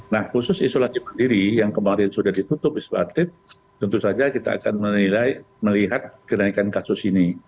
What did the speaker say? nah khusus isolasi mandiri yang kemarin sudah ditutup wisma atlet tentu saja kita akan melihat kenaikan kasus ini